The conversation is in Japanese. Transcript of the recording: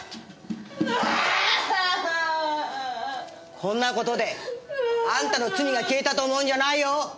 こんな事であんたの罪が消えたと思うんじゃないよ！